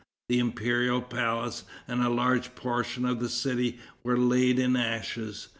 The imperial palace and a large portion of the city were laid in ashes.